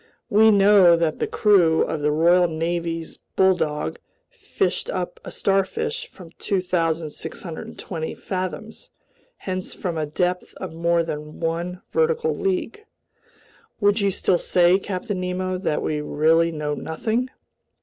We know that the crew of the Royal Navy's Bulldog fished up a starfish from 2,620 fathoms, hence from a depth of more than one vertical league. Would you still say, Captain Nemo, that we really know nothing?"